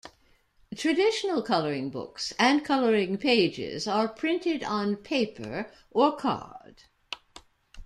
Traditional coloring books and coloring pages are printed on paper or card.